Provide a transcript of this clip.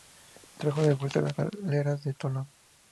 Trajo de vuelta las galeras de Tolón.